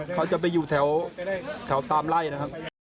เขาจะไปอยู่แถวตามไล่นะครับ